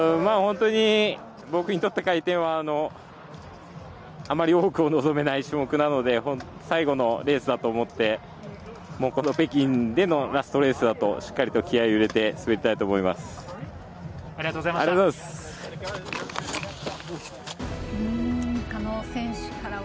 本当に僕にとって回転はあまり多くを望めない種目なので最後のレースだと思ってもうこの北京でのラストレースだとしっかりと気合いを入れてありがとうございました。